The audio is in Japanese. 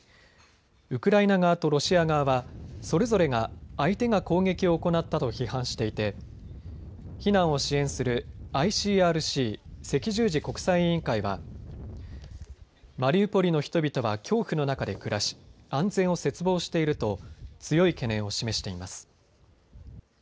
ウクライナ側とロシア側はそれぞれが相手が攻撃を行ったと批判していて避難を支援するＩＣＲＣ・赤十字国際委員会はマリウポリの人々は恐怖の中で暮らし安全を切望していると強い懸念を示しています。